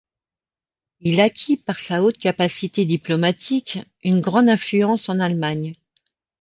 Il acquit par sa haute capacité diplomatique une grande influence en Allemagne.